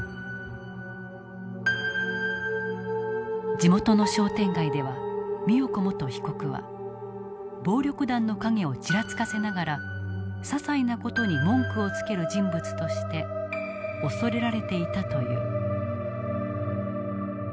地元の商店街では美代子元被告は暴力団の影をちらつかせながらささいな事に文句をつける人物として恐れられていたという。